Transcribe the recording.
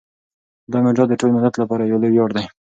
دا مډال د ټول ملت لپاره یو لوی ویاړ دی.